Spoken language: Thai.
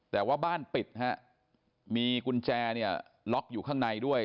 แต่ว่าบ้านปิดฮะมีกุญแจเนี่ยล็อกอยู่ข้างในด้วย